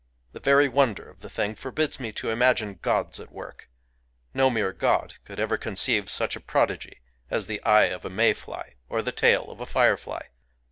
. The very wonder of the thing forbids me to imagine gods at work : no mere god could ever contrive such a prodigy as the eye of a May fly or the tail of a firefly.